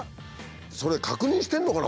それ確認してるのかな？